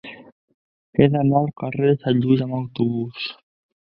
He d'anar al carrer de Sant Lluís amb autobús.